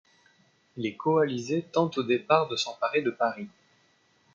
Les coalisés tentent au départ de s’emparer de Paris.